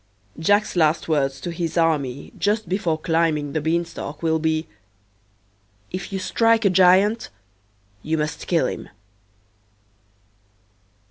Jack's last words to his army just before climbing the beanstalk will be, "If you strike a giant you must kill him."